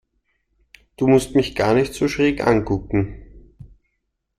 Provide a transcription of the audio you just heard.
Du musst mich gar nicht so schräg angucken.